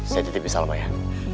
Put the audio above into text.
saya tetipi salma ya